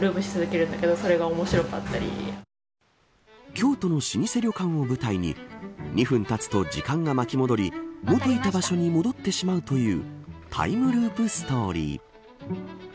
京都の老舗旅館を舞台に２分たつと、時間が巻き戻り元いた場所に戻ってしまうというタイムループストーリー。